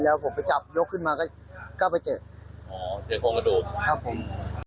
แล้วผมไปจับยกขึ้นมาก็ก็ไปเจ็บอ๋อเจ็บกล้องกระดูกครับผม